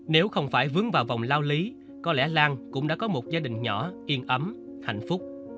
nếu không phải vướng vào vòng lao lý có lẽ lan cũng đã có một gia đình nhỏ yên ấm hạnh phúc